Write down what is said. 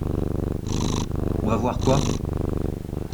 On va voir quoi?